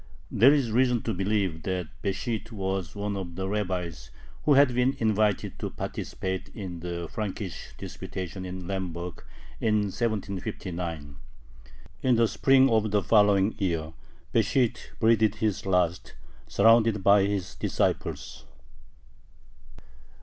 There is reason to believe that Besht was one of the rabbis who had been invited to participate in the Frankist disputation in Lemberg, in 1759. In the spring of the following year, Besht breathed his last, surrounded by his disciples.